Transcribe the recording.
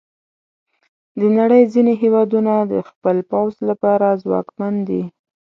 د نړۍ ځینې هیوادونه د خپل پوځ لپاره ځواکمن دي.